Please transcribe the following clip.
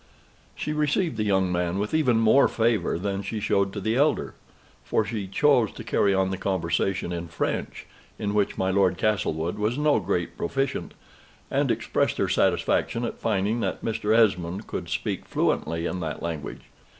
She received the young man with even more favor than she showed to the elder, for she chose to carry on the conversation in French, in which my Lord Castlewood was no great proficient, and expressed her satisfaction at finding that Mr. Esmond could speak fluently in that language.